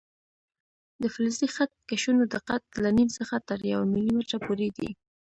د فلزي خط کشونو دقت له نیم څخه تر یو ملي متره پورې دی.